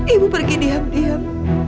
ibu pergi diem diem